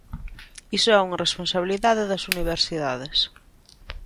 Iso é unha responsabilidade das universidades.